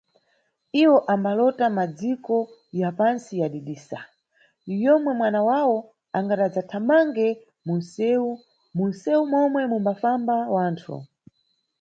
Iwo ambalota Madziko ya pantsi ya didisa, yomwe mwanawo angadadzathamange mu nseu, mu mseu momwe mumbafamba wanthu.